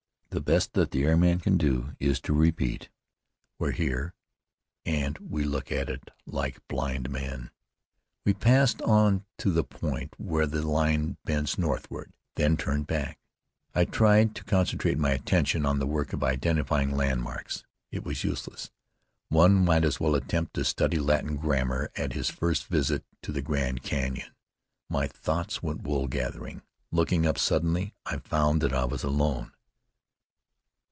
The best that the airman can do is to repeat, "We're here, and we look at it like blind men." We passed on to the point where the line bends northward, then turned back. I tried to concentrate my attention on the work of identifying landmarks. It was useless. One might as well attempt to study Latin grammar at his first visit to the Grand Cañon. My thoughts went wool gathering. Looking up suddenly, I found that I was alone.